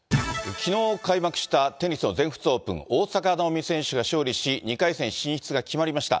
きのう開幕したテニスの全仏オープン、大坂なおみ選手が勝利し、２回戦進出が決まりました。